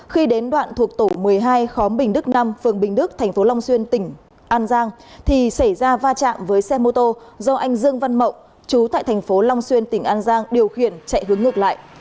khi đến đoạn thuộc tổ một mươi hai khóm bình đức năm phường bình đức thành phố long xuyên tỉnh an giang thì xảy ra va chạm với xe mô tô do anh dương văn mộng chú tại thành phố long xuyên tỉnh an giang điều khiển chạy hướng ngược lại